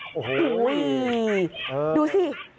โอ้โหดูสิ